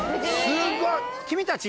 すごい！君たち。